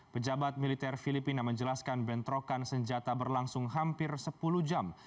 pejabat militer filipina menjelaskan bentrokan senjata berlangsung hampir sepuluh jam